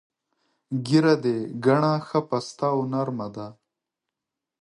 ږیره دې ګڼه، ښه پسته او نر مه ده.